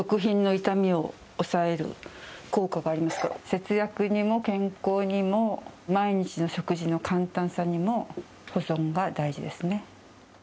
節約にも健康にも毎日の食事の簡単さにも保存が大事ですね。